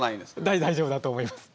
大丈夫だと思います。